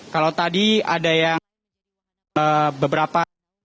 kalau tadi ada yang beberapa